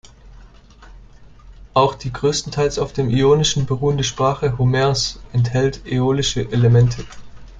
Auch die größtenteils auf dem Ionischen beruhende Sprache Homers enthält äolische Elemente.